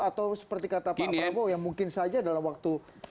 atau seperti kata pak prabowo yang mungkin saja dalam waktu